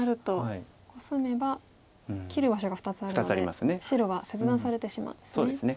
コスめば切る場所が２つあるので白は切断されてしまうんですね。